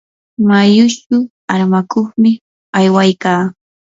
mayuchu armakuqmi aywaykaa.